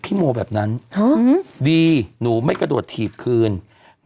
พี่โมอัมมินาแบบนั้นดีหนุไม่กระโดดถีบคืน